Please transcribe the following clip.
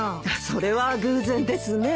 それは偶然ですね。